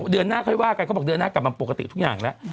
เดือนหน้าค่อยว่ากันเขาบอกเดือนหน้ากลับมาปกติทุกอย่างแล้ว